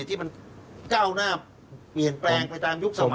ที่มันก้าวหน้าเปลี่ยนแปลงไปตามยุคสมัย